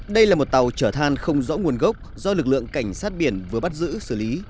đây là một tàu chở than không rõ nguồn gốc do lực lượng cảnh sát biển vừa bắt giữ xử lý